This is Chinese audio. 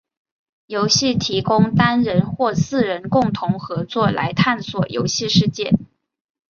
游戏提供单人或四人共同合作来探索游戏世界。